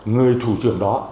người thủ trưởng đó